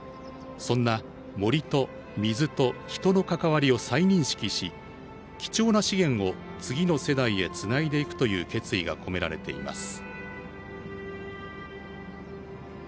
そんな森と水と人の関わりを再認識し貴重な資源を次の世代へつないでいくという決意が込められています。